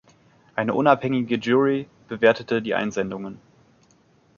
Eine unabhängige Jury bewertete die Einsendungen.